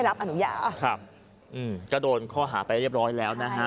ครับก็โดนข้อหาไปเรียบร้อยแล้วนะฮะ